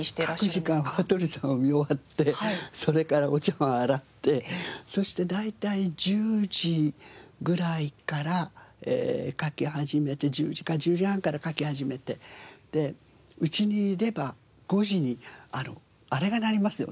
書く時間は羽鳥さんを見終わってそれからお茶わんを洗ってそして大体１０時ぐらいから書き始めて１０時か１０時半から書き始めて家にいれば５時にあれが鳴りますよね？